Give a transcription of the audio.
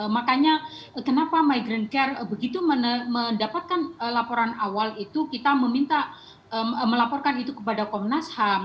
makanya kenapa migrant care begitu mendapatkan laporan awal itu kita meminta melaporkan itu kepada komnas ham